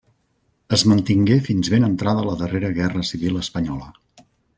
Es mantingué fins ben entrada la darrera Guerra Civil espanyola.